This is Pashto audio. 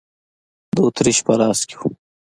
د اتریش په لاس کې و.